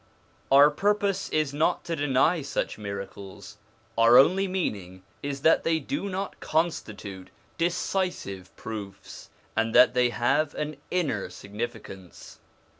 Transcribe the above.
1 Our purpose is not to deny such miracles ; our only meaning is that they do not constitute decisive proofs, and that they have an inner significance.